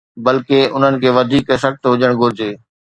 بلڪه، انهن کي وڌيڪ سخت هجڻ گهرجي.